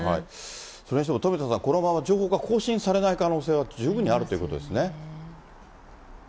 それにしても富田さん、情報が更新されない可能性は十分にあるということですね。